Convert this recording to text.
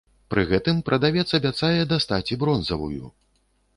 Пры гэтым прадавец абяцае дастаць і бронзавую.